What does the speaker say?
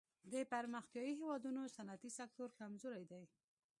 د پرمختیايي هېوادونو صنعتي سکتور کمزوری دی.